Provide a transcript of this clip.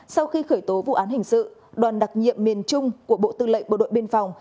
sau khi khởi tố vụ án hình sự đoàn đặc nhiệm miền trung của bộ tư lệnh bộ đội biên phòng